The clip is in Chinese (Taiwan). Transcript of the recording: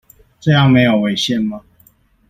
這樣沒有違憲嗎？